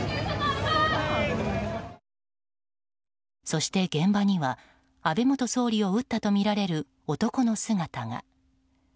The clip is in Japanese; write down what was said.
そして現場には安倍元総理を撃ったとみられる男の姿が。